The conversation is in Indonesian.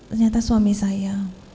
ternyata suami saya